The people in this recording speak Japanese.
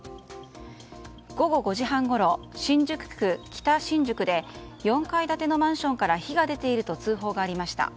午後５時半ごろ、新宿区北新宿で４階建てのマンションから火が出ていると通報がありました。